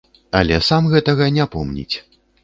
Але сам гэтага не помніць.